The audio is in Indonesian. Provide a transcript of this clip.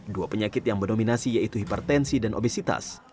dua penyakit yang mendominasi yaitu hipertensi dan obesitas